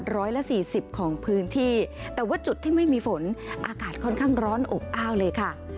ร้อยละสี่สิบของพื้นที่แต่ว่าจุดที่ไม่มีฝนอากาศค่อนข้างร้อนอบอ้าวเลยค่ะ